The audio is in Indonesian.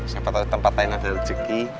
siapa tahu tempat lain ada rezeki